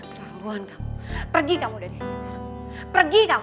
gangguan kamu pergi kamu dari sini pergi kamu